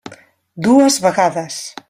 Dues vegades.